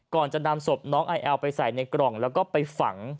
ก่อนจะนำศพน้องไอแอลไปใส่ในกล่องแล้วก็ไปฝัง